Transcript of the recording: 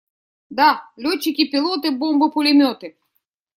Да! Летчики-пилоты! Бомбы-пулеметы!